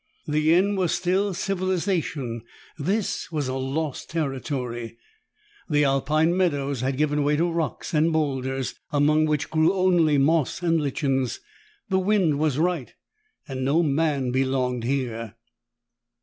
The inn was still civilization. This was a lost territory. The Alpine meadows had given way to rocks and boulders, among which grew only moss and lichens. The wind was right and no man belonged here.